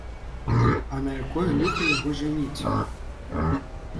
А на якое ліха яго жаніць?